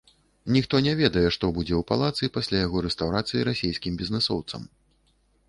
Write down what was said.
Ніхто не ведае, што будзе ў палацы пасля яго рэстаўрацыі расейскім бізнэсоўцам!